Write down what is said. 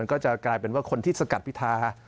ก็จะกลายเป็นว่าคนที่สกัดพิธา